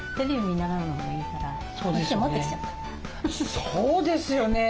そうですよね。